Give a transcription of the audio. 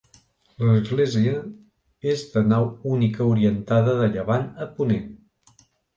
L'Església és de nau única orientada de llevant a ponent.